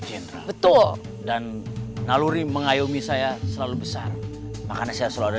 jendral betul dan lalurim mengayomi saya selalu besar makanya saya sudah